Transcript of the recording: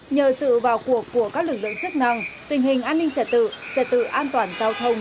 nhờ sự vào cuộc của các lực lượng chức năng tình hình an ninh trật tự trật tự an toàn giao thông